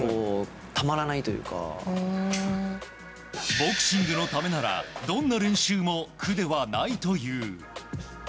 ボクシングのためならどんな練習も苦ではないという。